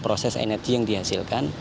proses energi yang dihasilkan